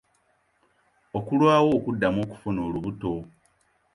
Okulwawo okuddamu okufuna olubuto.